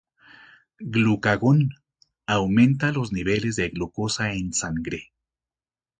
Glucagón: Aumenta los niveles de glucosa en sangre.